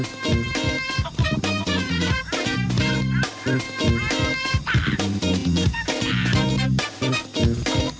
สดกว่าใครใหม่กว่าเดิม